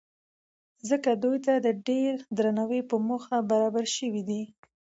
ځکه دوی ته د ډېر درناوۍ په موخه برابر شوي دي.